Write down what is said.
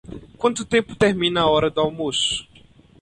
Quanto tempo termina a hora do almoço?